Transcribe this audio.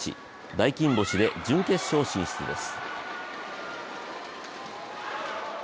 大金星で準決勝進出です。